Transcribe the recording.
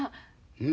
うん。